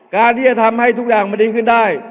การที่จะทำให้ทุกอย่างมันดีขึ้นได้